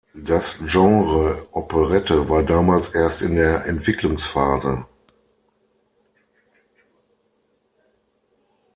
Das Genre Operette war damals erst in der Entwicklungsphase.